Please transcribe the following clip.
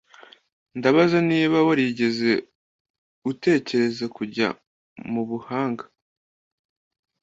Ndabaza niba warigeze utekereza kujya mubuhanga.